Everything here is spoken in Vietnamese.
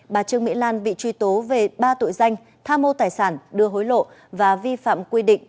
bà trương mỹ lan bị truy tố về ba tội danh tha mô tài sản đưa hối lộ và vi phạm quy định